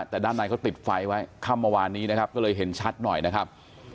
แต่ด้านในเขาติดไฟไว้ค่ำเมื่อวานนี้นะครับก็เลยเห็นชัดหน่อยนะครับ